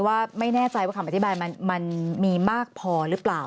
ว่าไม่แน่ใจว่าคำอธิบายมันมีมากพอหรือเปล่า